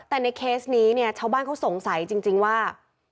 แต่ในเคสนี้เนี่ยชาวบ้านเขาสงสัยจริงว่า